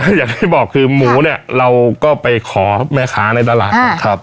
อย่างที่บอกคือหมูเนี่ยเราก็ไปขอแม่ค้าในตลาดก่อนครับ